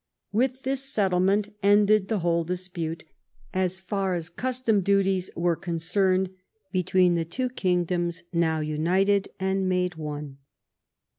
With this settlement ended the whole dispute, so far as custom duties were concerned, between the two kingdoms now united and made one.